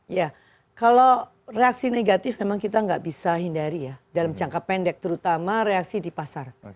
ya kalau reaksi negatif memang kita nggak bisa hindari ya dalam jangka pendek terutama reaksi di pasar